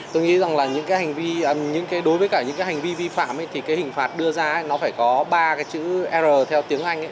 tôi nghĩ rằng đối với những hành vi vi phạm hình phạt đưa ra phải có ba chữ r theo tiếng anh